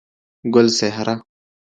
ګلڅهره